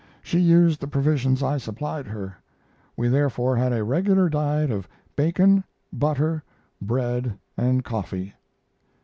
She used the provisions I supplied her. We therefore had a regular diet of bacon, butter, bread, and coffee."